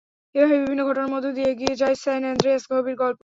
এভাবেই বিভিন্ন ঘটনার মধ্য দিয়ে এগিয়ে যায় স্যান আন্দ্রেয়াস ছবির গল্প।